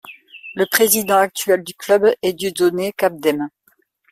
Le président actuel du club est Dieudonné Kamdem.